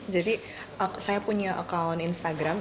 jadi saya punya akun instagram